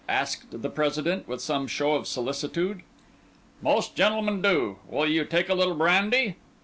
asked the President, with some show of solicitude. "Most gentlemen do. Will you take a little brandy?"